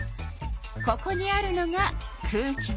ここにあるのが空気なの。